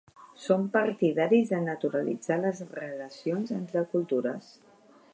Som partidaris de naturalitzar les relacions entre cultures.